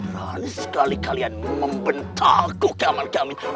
terang sekali kalian membentalku keaman keamanan